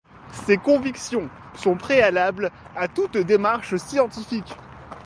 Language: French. Ces convictions sont préalables à toute démarche scientifique.